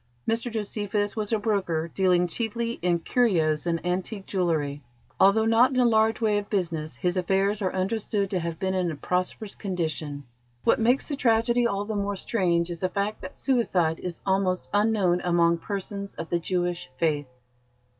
Mr Josephus was a broker dealing chiefly in curios and antique jewellery. Although not in a large way of business, his affairs are understood to have been in a prosperous condition. What makes the tragedy all the more strange is the fact that suicide is almost unknown among persons of the Jewish faith."